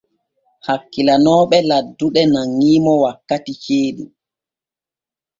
Hakkilanooɓe laddude nanŋi mo wakkati ceeɗu.